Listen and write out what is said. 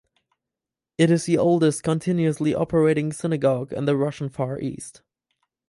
It is the oldest continuously operating synagogue in the Russian Far East.